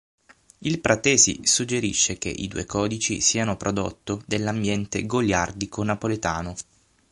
Il Pratesi suggerisce che i due codici siano prodotto dell'ambiente goliardico Napoletano.